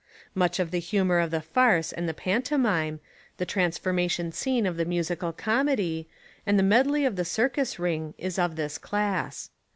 Much of the humour of the farce and the III Essays and Literary Studies pantomime, the transformation scene of the musical comedy, and the medley of the circus ring is of this class.